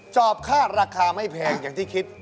จอบค่าราคาไม่แพงอย่างที่คิด